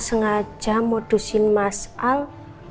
sengaja modusin masalah